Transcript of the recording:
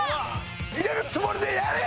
入れるつもりでやれや！